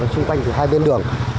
chung quanh hai bên đường